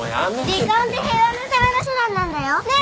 離婚って平和のための手段なんだよねっ。